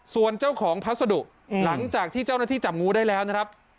ส่วนเจ้าของพัสดุหลังจากที่เจ้าหน้าที่จับงูได้แล้วนะครับ